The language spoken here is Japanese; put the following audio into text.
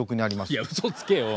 いやうそつけよ。